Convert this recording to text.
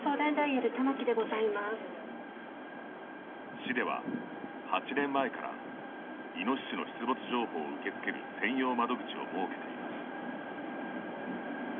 市では、８年前からイノシシの出没情報を受け付ける専用窓口を設けています。